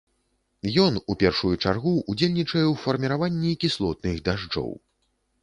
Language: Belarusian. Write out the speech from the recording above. Ён, у першую чаргу, удзельнічае ў фарміраванні кіслотных дажджоў.